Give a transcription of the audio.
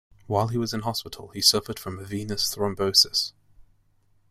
While he was in hospital, he suffered from a venous thrombosis.